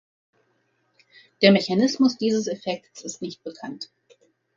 Der Mechanismus dieses Effekts ist nicht bekannt.